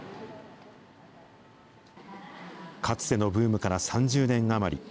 かつてのブームから３０年余り。